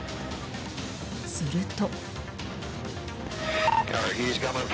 すると。